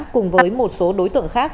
cùng với một số đối tượng khác